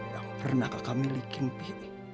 yang pernah kakak milikin pi